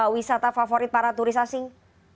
wisata favorit para turis asing